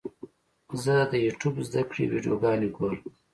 زه د یوټیوب زده کړې ویډیوګانې ګورم.